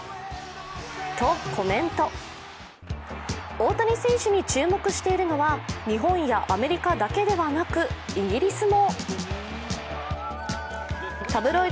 大谷選手に注目しているのは日本やアメリカだけでなくイギリスも。